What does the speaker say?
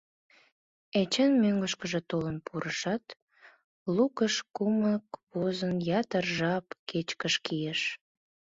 Эчан мӧҥгышкыжӧ толын пурышат, лукыш кумык возын, ятыр жап кечкыж кийыш.